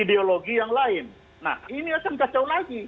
ideologi yang lain nah ini akan kacau lagi